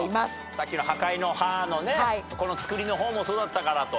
さっきの「破壊」の「破」のねつくりの方もそうだったからと。